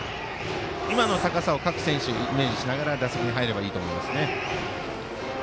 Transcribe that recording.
今の高さを各選手イメージしながら打席に入ればいいと思います。